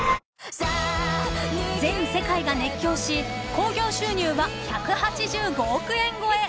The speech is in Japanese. ［全世界が熱狂し興行収入は１８５億円超え］